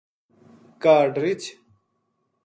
کاہڈ رِچھ